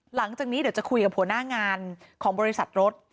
หลังจากนี้เดี๋ยวจะคุยกับหัวหน้างานของบริษัทรถ